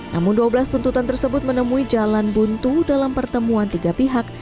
namun dua belas tuntutan tersebut menemui jalan buntu dalam pertemuan tiga pihak